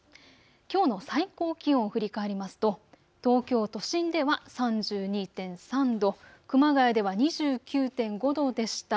きょうの最高気温を振り返りますと東京都心では３２．３度、熊谷では２９．５度でした。